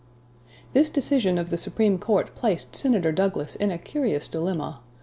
This decision of the Supreme Court placed Senator Douglas in a curious dilemma.